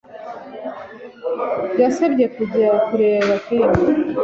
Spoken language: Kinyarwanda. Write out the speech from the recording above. Yasabye kujya kureba firime